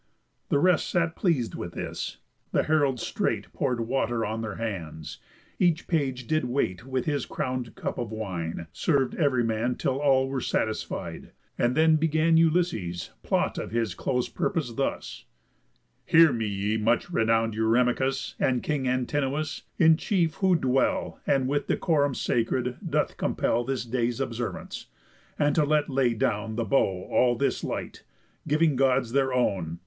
The rest sat pleas'd with this. The heralds straight Pour'd water on their hands; each page did wait With his crown'd cup of wine, serv'd ev'ry man Till all were satisfied. And then began Ulysses' plot of his close purpose thus: "Hear me, ye much renown'd Eurymachus, And king Antinous, in chief, who well, And with decorum sacred, doth compell This day's observance, and to let lay down The bow all this light, giving Gods their own.